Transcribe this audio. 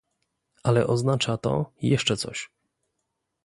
Ale oznacza to jeszcze coś